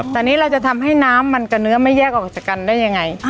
แต่นี่เราจะทำให้น้ำมันกับเนื้อไม่แยกออกจากกันได้ยังไง